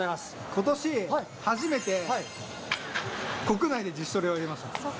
ことし、初めて国内で自主トレをやりました。